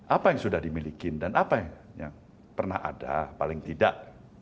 apa yang sudah dimiliki dan apa yang pernah ada paling tidak